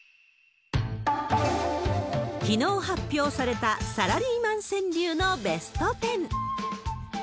きのう発表されたサラリーマン川柳のベスト１０。